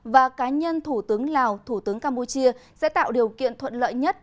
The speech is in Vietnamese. và cá nhân thủ tướng lào thủ tướng campuchia sẽ tạo điều kiện thuận lợi nhất